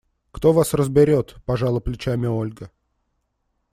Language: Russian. – Кто вас разберет! – пожала плечами Ольга.